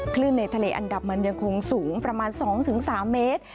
ในทะเลอันดับมันยังคงสูงประมาณ๒๓เมตร